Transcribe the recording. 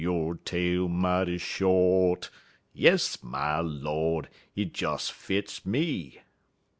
yo' tail mighty short Yes, my Lord! hit des fits me!